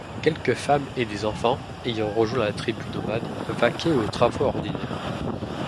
Quelques femmes et des enfants, ayant rejoint la tribu nomade, vaquaient aux travaux ordinaires.